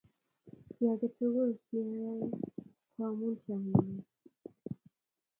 Ki ake tukul ne yo oe a oe amun chomye ng'ung'.